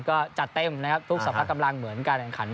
ก็จะแป้งนะครับทุกสอบคราว์กำลังเหมือนกัน